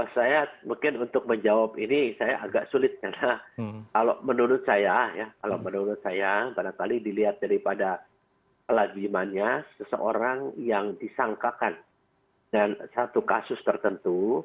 saya mungkin untuk menjawab ini saya agak sulit karena kalau menurut saya ya kalau menurut saya barangkali dilihat daripada kelajimannya seseorang yang disangkakan dan satu kasus tertentu